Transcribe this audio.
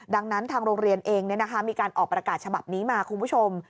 ดังนั้นทางโรงเรียนเองมีการออกประกาศฉบับนี้มาคุณผู้ชม